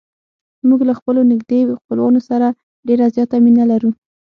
موږ له خپلو نږدې خپلوانو سره ډېره زیاته مینه لرو.